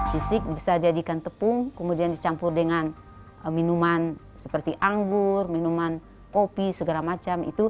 fisik bisa jadikan tepung kemudian dicampur dengan minuman seperti anggur minuman kopi segala macam